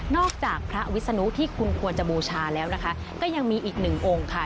จากพระวิศนุที่คุณควรจะบูชาแล้วนะคะก็ยังมีอีกหนึ่งองค์ค่ะ